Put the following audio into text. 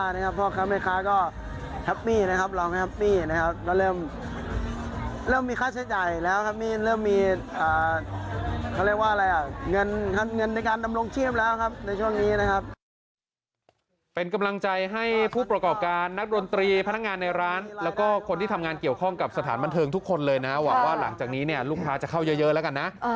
เงินในการดำรงเชียบแล้วครับในช่วงนี้นะครับ